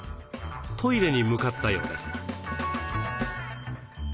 トイレに向かったようです。